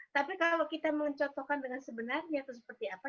tapi kalau kita mencotokkan dengan sebenarnya itu seperti apa